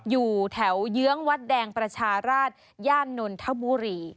อยู่แถวเยื้องวัดแดงประชาราชย่านนทบุรี